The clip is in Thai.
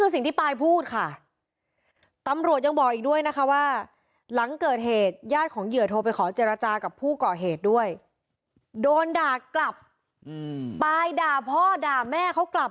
ออกมาข้างนอกออกมาข้างนอกออกมาข้างนอกออกมาข้างนอกออกมาข้างนอกออกมาข้างนอกออกมาข้างนอกออกมาข้างนอก